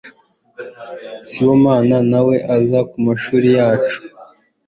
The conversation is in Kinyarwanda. Sibomana ntawe azi kumashuri yacu.